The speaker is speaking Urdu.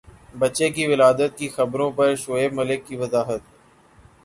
بچے کی ولادت کی خبروں پر شعیب ملک کی وضاحت